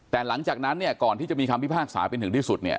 แต่หลังจากนั้นก่อนที่จะมีคำพิพากษาเป็นถึงที่สุด